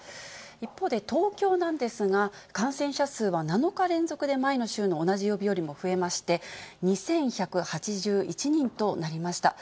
一方で、東京なんですが、感染者数は７日連続で前の週の同じ曜日よりも増えまして、２１８１人となりました。